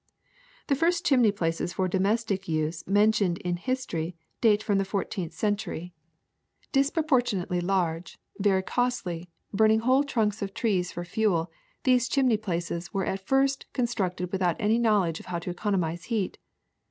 *'The first chimney places for domestic use men tioned in history date from the fourteenth century. HEATING 131 Disproportionately large, very costly, burning whole trunks of trees for fuel, these chimney places were at first constructed without any knowledge of how to economize heat.